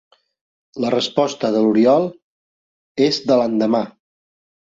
La resposta de l'Oriol és de l'endemà.